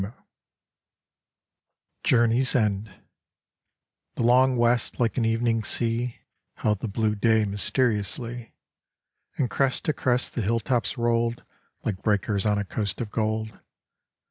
14 JOURNEY'S END The long west like an evening sea Held the blue day mysteriously, And crest to crest the hilltops rolled Like breakers on a coast of gold.